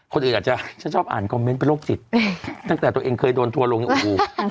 คนอื่นอาจจะฉันชอบอ่านคอมเมนต์เป็นโรคจิตตั้งแต่ตัวเองเคยโดนทัวร์ลงเนี่ยโอ้โห